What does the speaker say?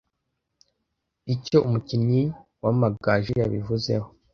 Icyo umukinnyi wa magaju yabivuzeho